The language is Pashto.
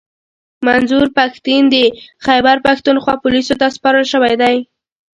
منظور پښتین د خیبرپښتونخوا پوليسو ته سپارل شوی دی